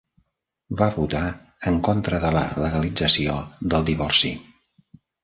Va votar en contra de la legalització del divorci.